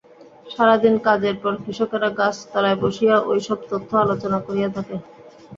সারাদিন কাজের পর কৃষকেরা গাছতলায় বসিয়া ঐ-সব তত্ত্ব আলোচনা করিয়া থাকে।